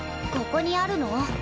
ここにあるの？